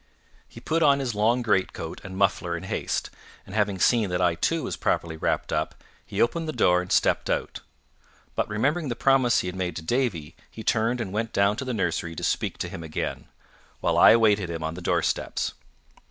He put on his long greatcoat and muffler in haste, and having seen that I too was properly wrapped up, he opened the door and stepped out. But remembering the promise he had made to Davie, he turned and went down to the nursery to speak to him again, while I awaited him on the doorsteps.